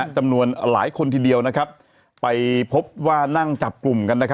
จำนวนหลายคนทีเดียวไปพบว่านั่งจับกลุ่มกัน